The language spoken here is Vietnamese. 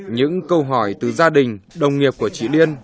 những câu hỏi từ gia đình đồng nghiệp của chị liên